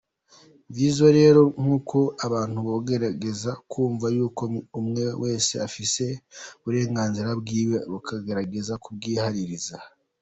Vyiza rero nuko abantu bogerageza kwumva yuko umwe wese afise uburenganzira bwiwe bakagerageza kubwubahiriza".